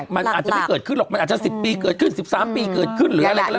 มันอาจจะไม่เกิดขึ้นหรอกมันอาจจะ๑๐ปีเกิดขึ้น๑๓ปีเกิดขึ้น